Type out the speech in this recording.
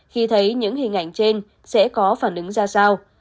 khi thấy những hình ảnh trên sẽ có phản ứng ra sao